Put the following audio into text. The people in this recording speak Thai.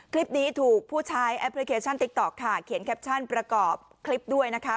คลิปนี้ถูกผู้ใช้แอปพลิเคชันติ๊กต๊อกค่ะเขียนแคปชั่นประกอบคลิปด้วยนะคะ